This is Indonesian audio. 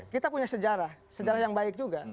kita punya sejarah sejarah yang baik juga